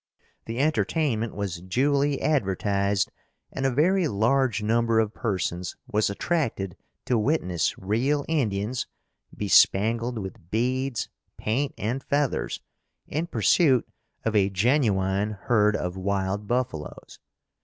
The entertainment was duly advertised and a very large number of persons was attracted to witness real Indians, bespangled with beads, paint and feathers, in pursuit of a genuine herd of wild buffalos.